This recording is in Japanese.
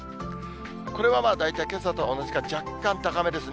これは大体けさと同じか、若干高めですね。